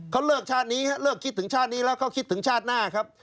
เขาเลิกชาตินี้ฮะเลิกคิดถึงชาตินี้แล้วเขาคิดถึงชาติหน้าครับ